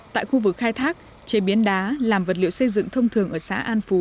tại khu vực khai thác chế biến đá làm vật liệu xây dựng thông thường ở xã an phú